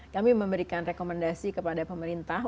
kami memberikan rekomendasi kepada pemerintah